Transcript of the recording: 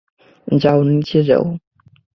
যাও, নীচে যাও।